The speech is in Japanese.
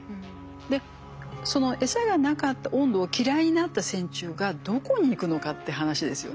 でその餌がなかった温度を嫌いになった線虫がどこに行くのかって話ですよね。